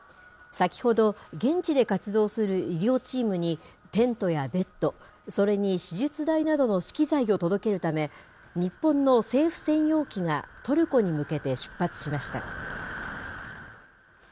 先ほど、現地で活動する医療チームに、テントやベッド、それに手術台などの資機材を届けるため、日本の政府専用機がトルコに向けて出発しました。